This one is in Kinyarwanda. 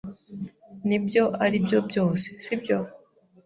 Nibyo aribyo byose, sibyo?